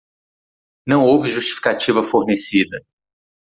Não houve justificativa fornecida.